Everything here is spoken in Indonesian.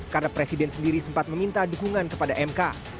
karena presiden sendiri sempat meminta dukungan kepada mkb